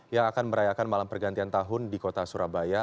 yang akan merayakan malam pergantian tahun di kota surabaya